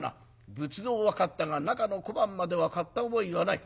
仏像は買ったが中の小判までは買った覚えはない。